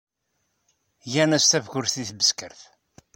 Gan-as tafgurt deg Tbeskert.